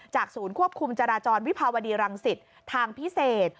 ศูนย์ควบคุมจราจรวิภาวดีรังสิตทางพิเศษ